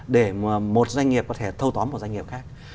để một doanh nghiệp có thể thâu tóm một doanh nghiệp khác